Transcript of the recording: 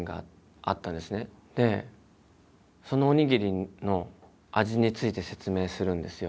でそのおにぎりの味について説明するんですよ。